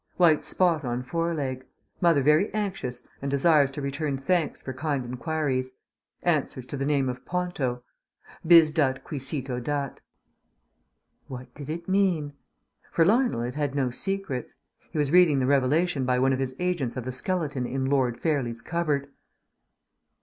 White spot on foreleg. Mother very anxious and desires to return thanks for kind enquiries. Answers to the name of Ponto. Bis dat qui cito dat." What did it mean? For Lionel it had no secrets. He was reading the revelation by one of his agents of the skeleton in Lord Fairlie's cupboard!